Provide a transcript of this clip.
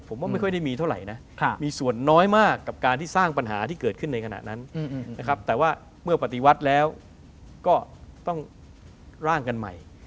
ผมว่าไม่ค่อยได้มีเท่าไหร่นะมีส่วนน้อยมากกับการที่สร้างปัญหาที่เกิดขึ้นในขณะนั้นนะครับแต่ว่าเมื่อปฏิวัติแล้วก็ต้องร่างกันใหม่